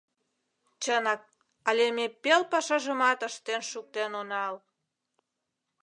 «Чынак, але ме пел пашажымат ыштен шуктен онал.